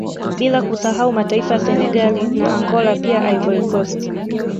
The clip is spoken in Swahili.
Bila kusahau mataifa ya Senegali na Angola pia Ivorycost